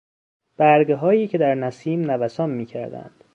برگهایی که در نسیم نوسان میکردند.